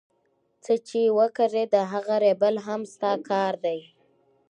څه چي وکرې د هغه رېبل هم ستا کار دئ.